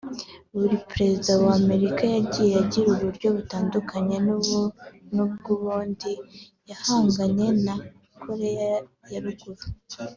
buri perezida wa Amerika yagiye agira uburyo butandukanye n’ubw’undi yahanganyemo na Koreya ya Ruguru